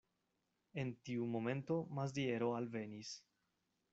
En tiu momento Maziero alvenis.